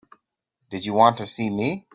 Did you want to see me?